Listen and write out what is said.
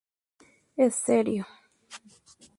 Es serio.